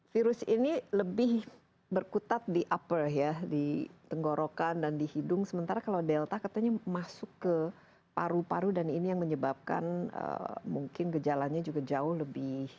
virus ini lebih berkutat di upper ya di tenggorokan dan di hidung sementara kalau delta katanya masuk ke paru paru dan ini yang menyebabkan mungkin gejalanya juga jauh lebih